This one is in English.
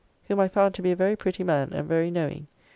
] whom I found to be a very pretty man and very knowing.